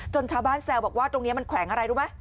ชาวบ้านแซวบอกว่าตรงนี้มันแขวงอะไรรู้ไหม